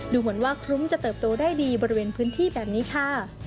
ดูเหมือนว่าคลุ้มจะเติบโตได้ดีบริเวณพื้นที่แบบนี้ค่ะ